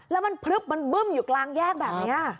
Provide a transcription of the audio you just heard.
แล้วมันพลึบมันบึ้มอยู่กลางแยกแบบนี้